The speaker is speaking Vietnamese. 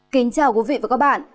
kính chào quý vị và các bạn